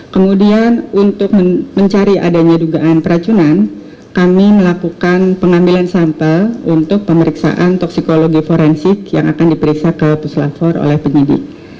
kemudian untuk mencari adanya dugaan peracunan kami melakukan pengambilan sampel untuk pemeriksaan toksikologi forensik yang akan diperiksa ke puslavor oleh penyidik